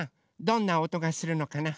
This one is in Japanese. どんなおとがするのかな？